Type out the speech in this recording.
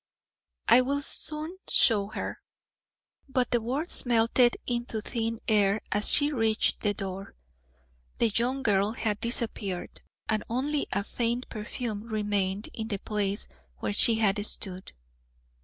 "I will soon show her " But the words melted into thin air as he reached the door. The young girl had disappeared, and only a faint perfume remained in the place where she had stood.